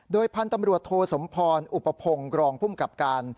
โดยพันธุ์ตำรวจโทสมพรอุปพงศ์รองภูมิกับการ